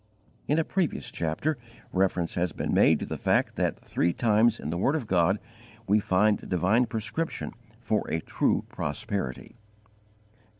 In a previous chapter reference has been made to the fact that three times in the word of God we find a divine prescription for a true prosperity.